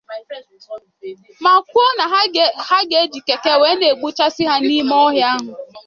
ma kwuo na ha ji Keke wee na-ebujesi ha n'ime ọhịa ahụ